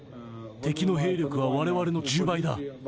敵の兵力はわれわれの１０倍だ。